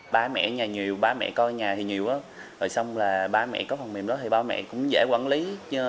ba mẹ nhà nhiều ba mẹ coi nhà thì nhiều rồi xong là ba mẹ có phần mềm đó thì ba mẹ cũng dễ quản lý